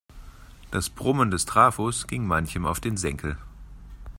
Das Brummen des Trafos ging manchem auf den Senkel.